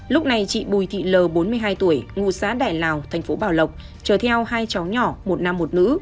lúc này chị bùi thị l bốn mươi hai tuổi ngụ xã đại lào thành phố bảo lộc chở theo hai cháu nhỏ một nam một nữ